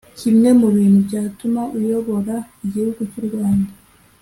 kimwe mu bintu byatuma uyobora igihugu cy'urwanda,